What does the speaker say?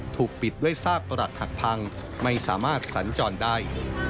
ถูกปิดด้วยซากปรักหักพังไม่สามารถสัญจรได้